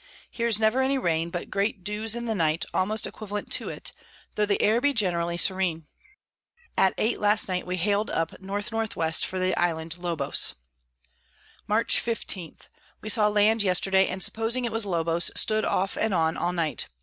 Here's never any Rain, but great Dews in the night, almost equivalent to it, tho the Air be generally serene. At eight last night we hal'd up N N W. for the Island Lobos. Mar. 15. We saw Land yesterday, and supposing it was Lobos, stood off and on all night.